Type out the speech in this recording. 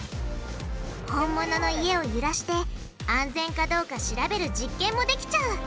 本物の家をゆらして安全かどうか調べる実験もできちゃう！